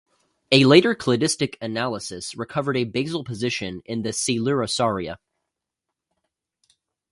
A later cladistic analysis recovered a basal position in the Coelurosauria.